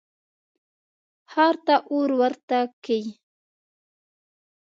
ښار ته اور ورته کئ.